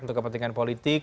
untuk kepentingan politik